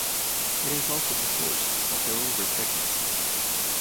It is also the source of the river Pegnitz.